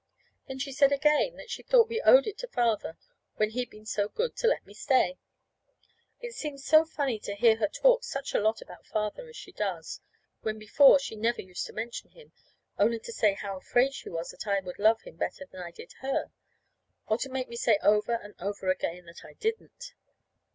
Then she said again that she thought we owed it to Father, when he'd been so good to let me stay. It seems so funny to hear her talk such a lot about Father as she does, when before she never used to mention him only to say how afraid she was that I would love him better than I did her, and to make me say over and over again that I didn't.